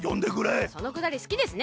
そのくだりすきですね。